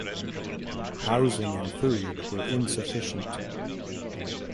Housing and food were insufficient.